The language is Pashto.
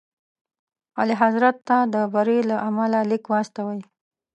اعلیحضرت ته د بري له امله لیک واستوئ.